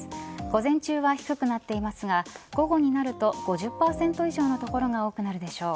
午前中は低くなっていますが午後になると５０％以上の所が多くなるでしょう。